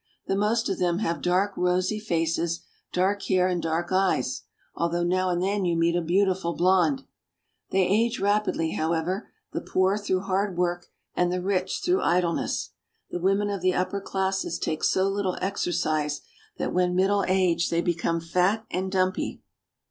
The most of them have dark rosy faces, dark hair, and dark eyes, although now and then you meet a beautiful blonde. They age rapidly, however, the poor through hard work and the rich through idleness. The women of the upper classes take so little exercise that when middle aged they become fat and dumpy.